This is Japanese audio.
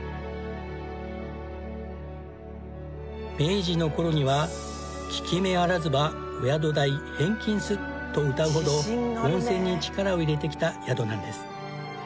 明治の頃には「効き目あらずばお宿代返金す」とうたうほど温泉に力を入れてきた宿なんです。